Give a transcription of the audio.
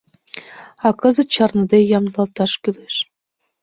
— А кызыт чарныде ямдылалташ кӱлеш.